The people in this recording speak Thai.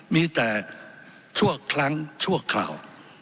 มีแต่ชั่วครั้งชั่วคราว